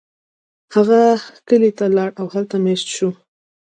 هغه کلی ته لاړ او هلته میشت شو.